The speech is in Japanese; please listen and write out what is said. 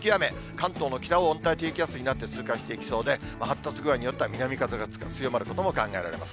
関東の北を温帯低気圧になって通過していきそうで、発達具合によっては、南風が強まることも考えられます。